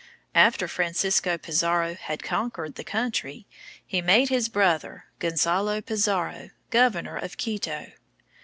After Francisco Pizarro had conquered the country, he made his brother, Gonzalo Pizarro, governor of Quito.